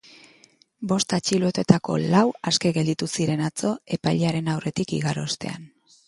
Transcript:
Bost atxilotuetako lau aske gelditu ziren atzo, epailearen aurretik igaro ostean.